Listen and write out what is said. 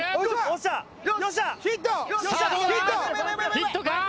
ヒットか？